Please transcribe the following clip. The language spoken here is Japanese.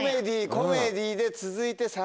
続いて。